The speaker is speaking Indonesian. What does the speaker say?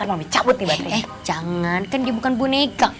eh jangan kan dia bukan boneka